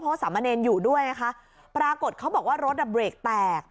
เพราะสามเณรอยู่ด้วยนะคะปรากฏเขาบอกว่ารถอ่ะเบรกแตก